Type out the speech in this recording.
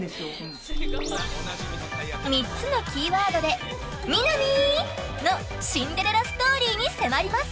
３つのキーワードでミナミー！のシンデレラストーリーに迫ります。